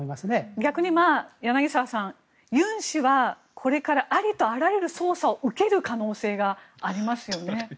逆に柳澤さん、ユン氏はこれからありとあらゆる捜査を受ける可能性がありますよね。